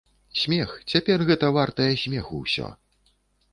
Смех, цяпер гэта вартае смеху ўсё.